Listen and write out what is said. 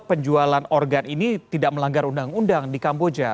penjualan organ ini tidak melanggar undang undang di kamboja